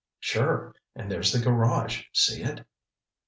"Sure—and there's the garage, see it?"